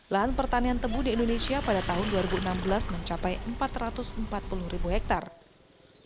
lahan pertanian tebu di indonesia pada tahun dua ribu enam belas mencapai empat ratus empat puluh ribu hektare